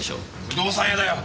不動産屋だよ！